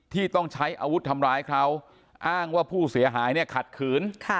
ที่ต้องใช้อาวุธทำร้ายเขาอ้างว่าผู้เสียหายเนี่ยขัดขืน